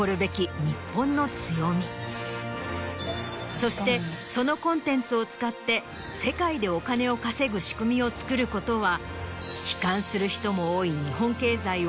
そしてそのコンテンツを使って世界でお金を稼ぐ仕組みを作ることは悲観する人も多い日本経済を。